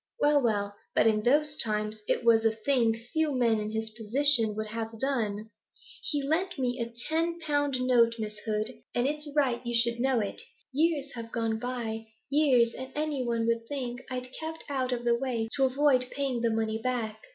'Well, well, but in those times it was a thing few men in his position would have done. He lent me a ten pound note, Miss Hood, and it's right you should know it. Years have gone by, years, and any one would think I'd kept out of the way to avoid paying the money back.